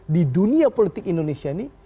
di dunia politik indonesia ini